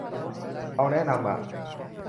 เราแนะนำอ่ะ